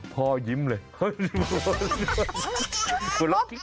พ่อยิ้มเลย